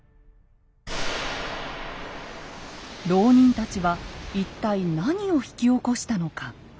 牢人たちは一体何を引き起こしたのか。